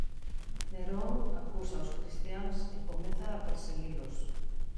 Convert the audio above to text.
Nerón acusa os cristiáns e comeza a perseguilos.